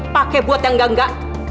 pake buat yang gak nggak